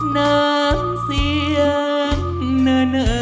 น้ำเสียงเนอ